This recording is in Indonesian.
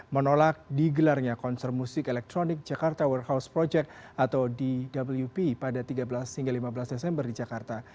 menolak digelarnya konser musik elektronik jakarta workhouse project atau dwp pada tiga belas hingga lima belas desember di jakarta